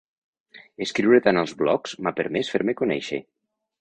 Escriure tant als blogs m'ha permès fer-me conèixer.